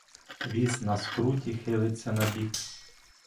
Віз на скруті хилиться набік.